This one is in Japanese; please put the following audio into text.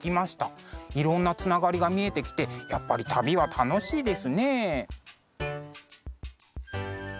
いろんなつながりが見えてきてやっぱり旅は楽しいですね。